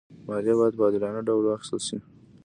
مالیه باید په عادلانه ډول واخېستل شي.